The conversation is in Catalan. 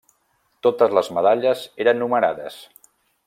Totes les medalles eren numerades.